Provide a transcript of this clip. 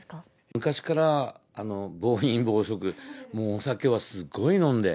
昔から暴飲暴食、もうお酒はすっごい飲んで。